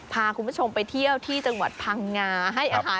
พาคุณผู้ชมไปเที่ยวที่จังหวัดภังงา